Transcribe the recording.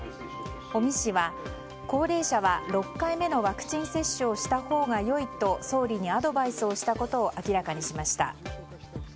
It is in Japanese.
尾身氏は高齢者は６回目のワクチン接種をしたほうが良いと総理にアドバイスしたことを明らかにしました。